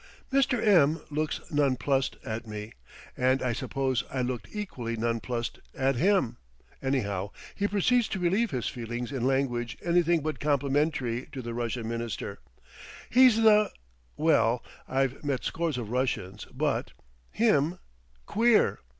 Mr. M looks nonplussed at me, and I suppose I looked equally nonplussed at him; anyhow, he proceeds to relieve his feelings in language anything but complimentary to the Russian Minister. He's the well, I've met scores of Russians, but him, queer!